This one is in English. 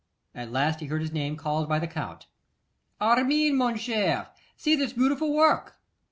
At last he heard his name called by the Count. 'Armine, mon cher, see this beautiful work!